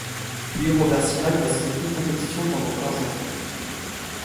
Puis Robert Simac va cesser toutes compétitions pendant quinze ans.